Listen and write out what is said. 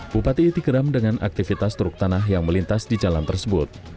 bupati iti keram dengan aktivitas truk tanah yang melintas di jalan tersebut